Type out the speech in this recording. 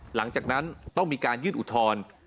หลังจากนั้นต้องมีการยื่นอุทธรณ์